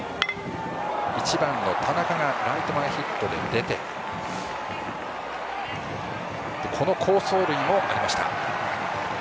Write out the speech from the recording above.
１番の田中がライト前ヒットで出てこの好走塁もありました。